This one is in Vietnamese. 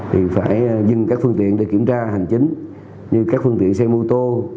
thì phải dừng các phương tiện để kiểm tra hành chính như các phương tiện xe mô tô